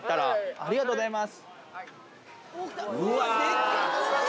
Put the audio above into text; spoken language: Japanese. ありがとうございます。